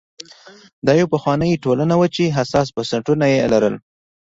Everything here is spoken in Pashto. دا یوه پخوانۍ ټولنه وه چې حساس بنسټونه یې لرل